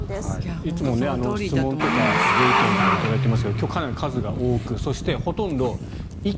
いつも質問とかご意見とか頂きますが今日はかなり数が多くそして、ほとんど意見。